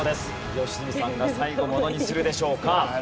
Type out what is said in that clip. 良純さんが最後ものにするでしょうか。